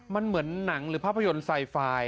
มันเหมือนหนังหรือภาพยนตร์ไซไฟล์